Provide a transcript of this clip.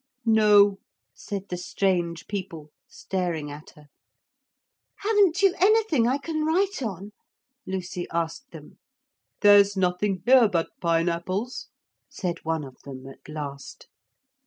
'No,' said the strange people, staring at her. 'Haven't you anything I can write on?' Lucy asked them. 'There's nothing here but pine apples,' said one of them at last.